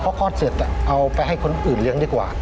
พอคลอดเสร็จเอาไปให้คนอื่นเลี้ยงดีกว่า